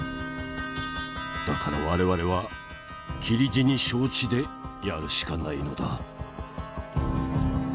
だから我々は切り死に承知でやるしかないのだ。